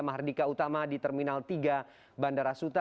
mahardika utama di terminal tiga bandara suta